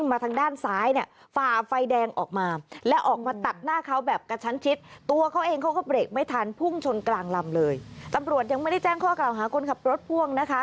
ไม่ได้แจ้งข้อกล่าวหาคนขับรถพ่วงนะคะ